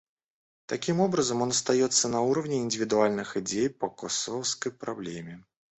Таким образом, он остается на уровне индивидуальных идей по косовской проблеме.